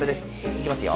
いきますよ。